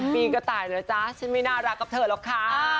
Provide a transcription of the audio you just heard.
ปีกระต่ายเหรอจ๊ะฉันไม่น่ารักกับเธอหรอกค่ะ